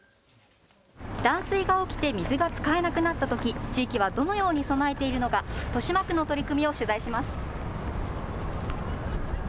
断水が起きて水が使えなくなったたとき、地域はどのように備えているのか、豊島区の取り組みを取材します。